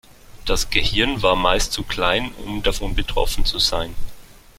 Das Gehirn war meist zu klein, um davon betroffen zu sein.